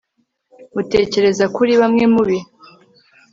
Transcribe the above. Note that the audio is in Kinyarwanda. utekereza ko uri bamwe mubi